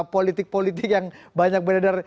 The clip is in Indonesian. politik politik yang banyak beredar